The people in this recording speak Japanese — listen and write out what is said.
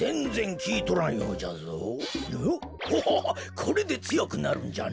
これでつよくなるんじゃな。